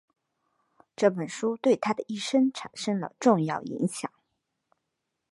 这本书对他的一生产生了重要影响。